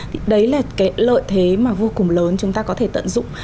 thì đấy là cái lợi thế mà vô cùng lớn chúng ta có thể tận dụng